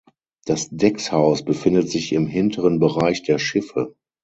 Das Deckshaus befindet sich im hinteren Bereich der Schiffe.